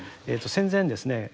戦前ですね